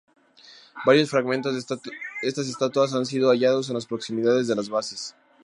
Varios fragmentos de estas estatuas han sido hallados en las proximidades de las bases.